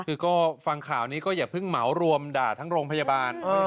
คือก็ฟังข่าวนี้ก็อย่าเพิ่งเหมารวมด่าทั้งโรงพยาบาล